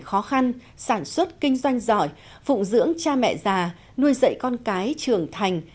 các đồng chí đã phát triển khó khăn sản xuất kinh doanh giỏi phụng dưỡng cha mẹ già nuôi dạy con cái trưởng thành